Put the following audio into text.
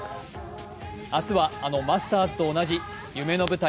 明日はあのマスターズと同じ夢の舞台